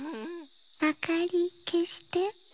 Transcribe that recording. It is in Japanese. あかりけして。